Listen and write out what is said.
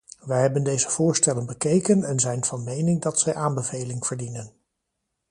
Wij hebben deze voorstellen bekeken en zijn van mening dat zij aanbeveling verdienen.